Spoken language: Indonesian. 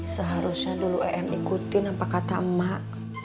seharusnya dulu em ikutin apa kata emak